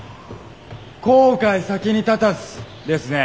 「後悔先に立たず」ですね。